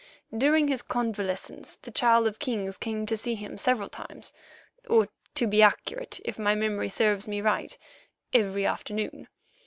During his convalescence the Child of Kings came to see him several times, or to be accurate, if my memory serves me right, every afternoon.